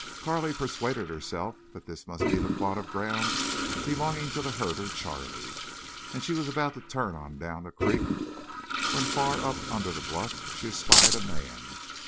Carley persuaded herself that this must be the plot of ground belonging to the herder Charley, and she was about to turn on down the creek when far up under the bluff she espied a man.